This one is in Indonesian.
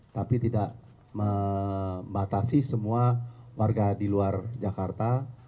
tapi tidak membatasi semua warga di luar jakarta